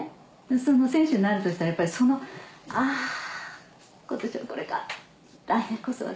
その選手になるとしたらやっぱりその「あ今年はこれか来年こそは」。